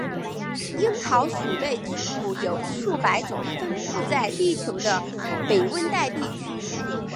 樱桃属内植物有数百种类分布在地球的北温带地区。